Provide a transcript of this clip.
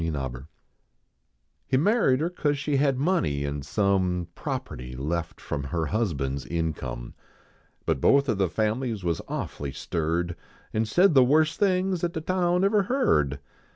V HIZ N He maird her cause she had money an 1 some Property left from er husband s income ; Hut both of the families was awfully stirred, An said the worst things at the town ever heard.